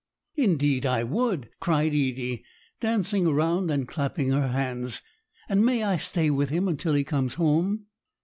"Indeed I would," cried Edie, dancing around and clapping her hands. "And may I stay with him until he comes home?"